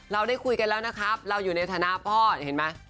เราได้คุยกันแล้วนะครับเราอยู่ในฐานะพ่อเห็นไหม